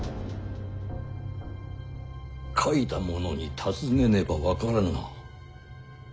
描いた者に尋ねねば分からぬな。